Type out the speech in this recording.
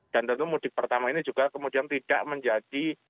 dan tentu mudik pertama ini juga kemudian tidak menjadi